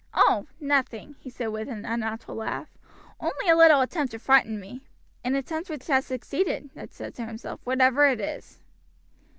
"Oh! nothing," he said with an unnatural laugh, "only a little attempt to frighten me." "An attempt which has succeeded," Ned said to himself, "whatever it is."